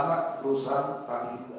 anak rusak kami